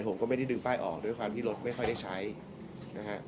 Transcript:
ผมก็ไม่ได้ดึงป้ายออกด้วยความที่รถไม่ค่อยได้ใช้นะฮะ